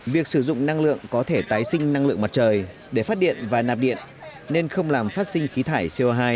việc sử dụng năng lượng có thể tái sinh năng lượng mặt trời để phát điện và nạp điện nên không làm phát sinh khí thải co hai